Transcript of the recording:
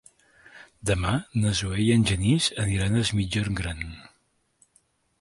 Demà na Zoè i en Genís aniran a Es Migjorn Gran.